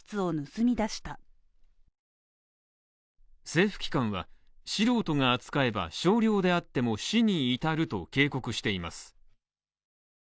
政府機関は、素人が扱えば少量であっても死に至ると警告しています。